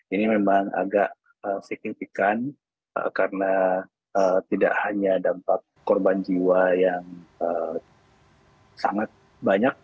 ini memang agak signifikan karena tidak hanya dampak korban jiwa yang sangat banyak